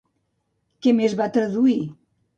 Què més va traduir?